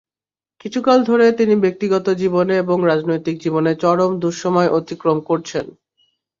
কিছুকাল ধরে তিনি ব্যক্তিগত জীবনে এবং রাজনৈতিক জীবনে চরম দুঃসময় অতিক্রম করছেন।